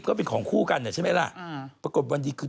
ก็ไม่เป็นพระเอกไม่เป็นพระเอก